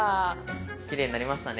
キレイになりましたね。